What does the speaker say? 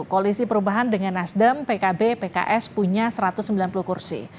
koalisi perubahan dengan nasdem pkb pks punya satu ratus sembilan puluh kursi